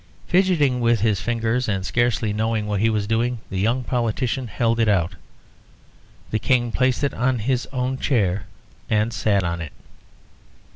Fidgetting with his fingers, and scarcely knowing what he was doing, the young politician held it out. The King placed it on his own chair, and sat on it.